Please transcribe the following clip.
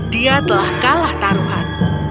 dia telah kalah taruhan